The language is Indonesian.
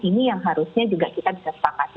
ini yang harusnya juga kita disepakati